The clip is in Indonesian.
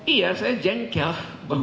iya saya jengkel